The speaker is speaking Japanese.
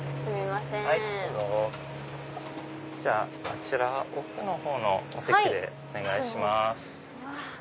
こちら奥のほうのお席でお願いします。